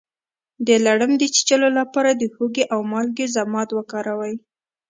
د لړم د چیچلو لپاره د هوږې او مالګې ضماد وکاروئ